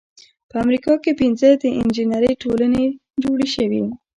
په امریکا کې پنځه د انجینری ټولنې جوړې شوې.